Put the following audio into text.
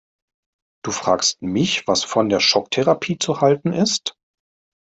Du fragst mich, was von der Schocktherapie zu halten ist?